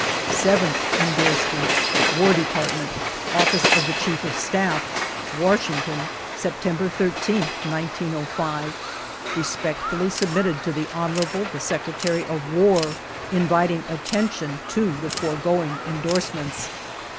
7th Endorsement. War Department, Office of the Chief of Staff, Washington, September 13th, 1905. Respectfully submitted to the Honorable the Sec retary of War, inviting attention to the foregoing endorsements.